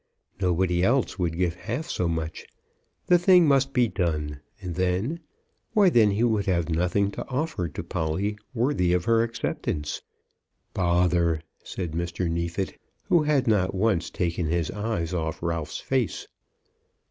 Nobody else would give half so much. The thing must be done, and then; why, then he would have nothing to offer to Polly worthy of her acceptance. "Bother," said Mr. Neefit, who had not once taken his eyes off Ralph's face.